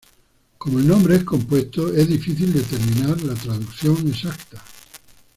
Como el nombre es compuesto, es difícil determinar la traducción exacta.